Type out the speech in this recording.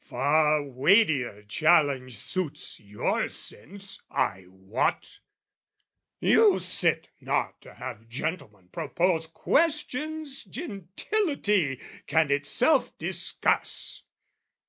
Far weightier challenge suits your sense, I wot! You sit not to have gentlemen propose Questions gentility can itself discuss.